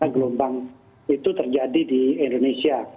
gelombang itu terjadi di indonesia